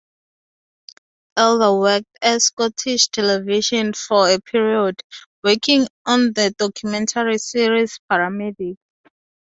Elder worked at Scottish Television for a period, working on the documentary series, "Paramedics".